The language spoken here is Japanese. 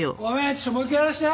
ちょっともう一回やらせて。